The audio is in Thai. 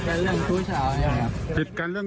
เหมือนไปหาคนอื่น